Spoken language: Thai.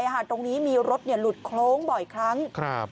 อาหารตรงนี้มีรถเนี่ยหลุดโค้งบ่อยครั้งครับ